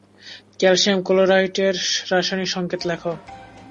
Calcium ক্লোরাইডের রাসায়নিক সংকেত লেখ।